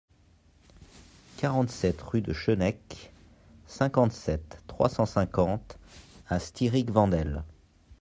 quarante-sept rue de Schoeneck, cinquante-sept, trois cent cinquante à Stiring-Wendel